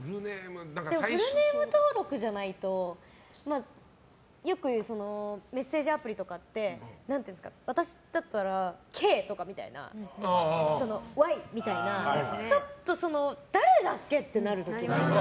でもフルネーム登録じゃないとよく言うメッセージアプリとかって私だったら、ＫみたいなＹみたいなちょっと誰だっけ？ってなる時が。